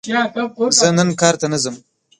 زه نن کار ته نه ځم!